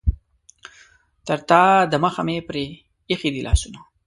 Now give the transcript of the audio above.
تر تا دمخه مې پرې ایښي دي لاسونه.